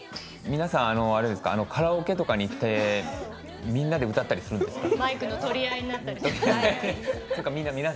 皆さんカラオケとかに行ってみんなで歌ったりするんですか？